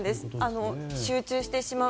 集中してしまう。